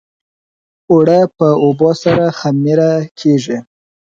اوړه په اوبو سره خمیر کېږي